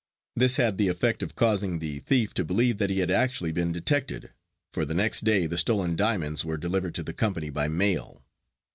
This had the effect of causing the thief to believe that he had actually been detected, for the next day the stolen diamonds were delivered to the company by mail.